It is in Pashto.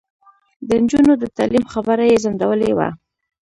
د نجونو د تعلیم خبره یې ځنډولې وه.